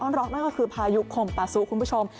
กว่าพายุไลน์ออนร็อกนั่นก็คือพายุขมปาซุคุณผู้ชม